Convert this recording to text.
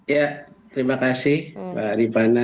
ya terima kasih mbak rifana